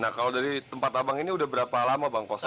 nah kalau dari tempat tabang ini udah berapa lama bang kosong gas tiga kg